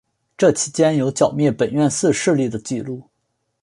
这期间有剿灭本愿寺势力的纪录。